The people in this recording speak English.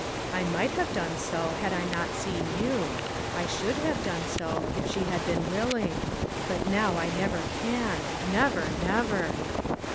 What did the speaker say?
I might have done so, had I not seen you. I should have done so, if she had been willing. But now I never can, never, never."